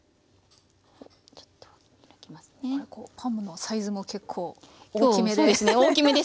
パンのサイズも結構大きめで。